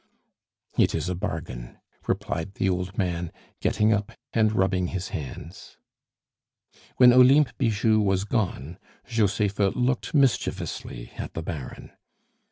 "It is a bargain," replied the old man, getting up and rubbing his hands. When Olympe Bijou was gone, Josepha looked mischievously at the Baron.